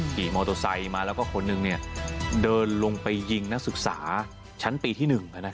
ขี่มอเตอร์ไซค์มาแล้วก็คนหนึ่งเดินลงไปยิงนักศึกษาชั้นปีที่๑